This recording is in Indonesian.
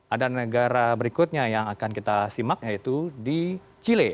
ada negara berikutnya yang akan kita simak yaitu di chile